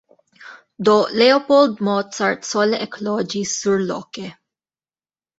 Do Leopold Mozart sole ekloĝis surloke.